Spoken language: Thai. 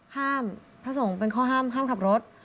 พระสงฆ์เป็นข้อห้ามห้ามขับรถ